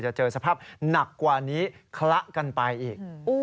จะเจอสภาพหนักกว่านี้คละกันไปอีก